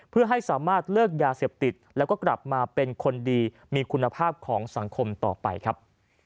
เพื่อให้สามารถเลิกยาเสพติดแล้วก็กลับมาเป็นคนดีมีคุณภาพของสังคมต่อไปครับ